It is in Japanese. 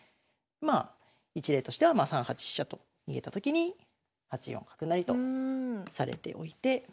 まあ一例としてはまあ３八飛車と逃げた時に８四角成とされておいて。